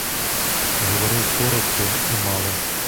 Говорив коротко і мало.